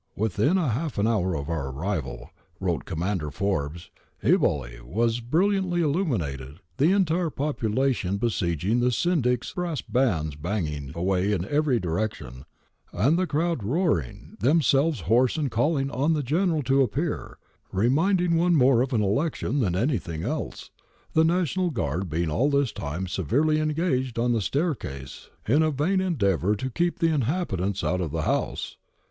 ' Within half an hour of our arrival,' wrote Commander Forbes, Eboli 'was brilliantly illuminated, the entire population besieging the Syndic's, brass bands bangmg away in every direction, and the crowd roaring them selves hoarse and calling on the General to appear, re minding one more of an election than anything else, the National Guard being all this time severely engaged on the staircase in a vain endeavour to keep the inhabitants out of the house.